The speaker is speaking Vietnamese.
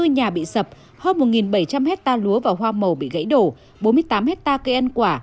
bốn mươi nhà bị sập hơn một bảy trăm linh hectare lúa và hoa màu bị gãy đổ bốn mươi tám hectare cây ăn quả